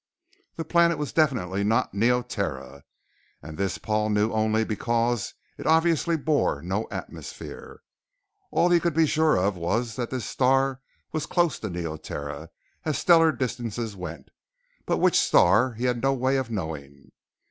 The planet was definitely not Neoterra, and this Paul knew only because it obviously bore no atmosphere. All he could be sure of was that this star was close to Neoterra as stellar distances went, but which star he had no way of knowing.